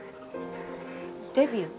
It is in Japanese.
デビュー？